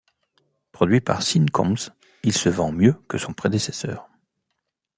Produit par Sean Combs, il se vend mieux que son prédécesseur.